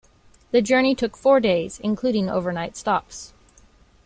The journey took four days, including overnight stops.